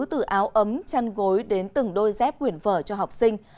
từ áo ấm chăn gối đến từng đôi dép quyển vở cho học sinh